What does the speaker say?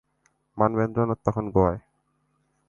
মানবেন্দ্রনাথ তখন গোয়ায়।